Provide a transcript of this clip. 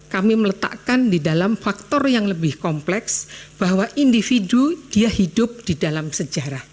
kami meletakkan di dalam faktor yang lebih kompleks bahwa individu dia hidup di dalam sejarah